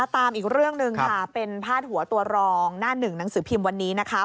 ตามอีกเรื่องหนึ่งค่ะเป็นพาดหัวตัวรองหน้าหนึ่งหนังสือพิมพ์วันนี้นะคะ